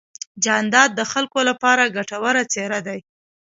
جانداد د خلکو لپاره ګټور څېرہ دی.